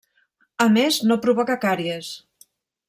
A més, no provoca càries.